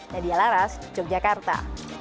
nadia laras yogyakarta